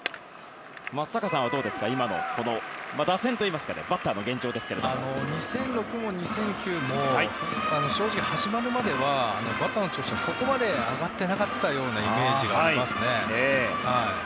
松坂さんはどうですか今の打線というか２００６も２００９も正直、始まるまではバッターの調子はそこまで上がっていなかったようなイメージがあります。